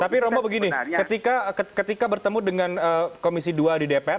tapi romo begini ketika bertemu dengan komisi dua di dpr